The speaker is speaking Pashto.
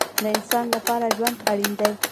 د انسان لپاره ژوند اړین دی